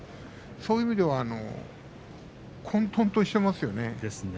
そういう意味では混とんとしていますね。